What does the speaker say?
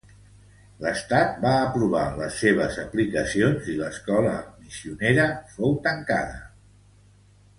L'estat va aprovar les seves aplicacions i l'escola missionera fou tancada.